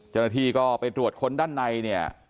เจริญาที่ก็ไปตรวจคนด้านใน